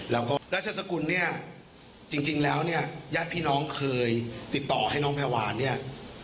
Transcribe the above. แล้วก็ราชสกุลเนี่ยจริงแล้วเนี่ยญาติพี่น้องเคยติดต่อให้น้องแพวานเนี่ย